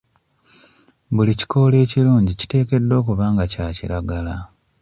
Buli kikoola ekirungi kiteekeddwa okuba nga kya kiragala.